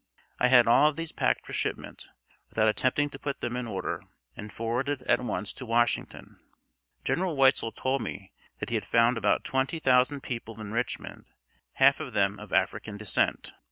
I had all of these packed for shipment, without attempting to put them in order, and forwarded at once to Washington. General Weitzel told me that he had found about twenty thousand people in Richmond, half of them of African descent.